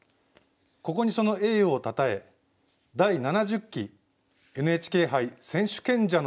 ここにその栄誉をたたえ第７０期ＮＨＫ杯選手権者の称号を贈ります。